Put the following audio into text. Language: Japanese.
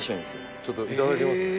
ちょっといただきますね